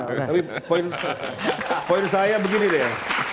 tapi poin saya begini deh